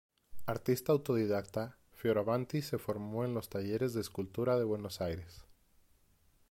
Artista autodidacta, Fioravanti se formó en los talleres de escultura de Buenos Aires.